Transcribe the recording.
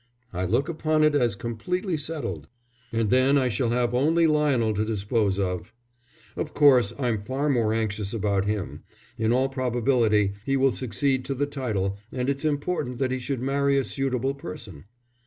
"I look upon it as completely settled, and then I shall have only Lionel to dispose of. Of course I'm far more anxious about him. In all probability he will succeed to the title, and it's important that he should marry a suitable person."